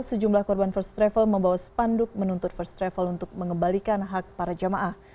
sejumlah korban first travel membawa sepanduk menuntut first travel untuk mengembalikan hak para jemaah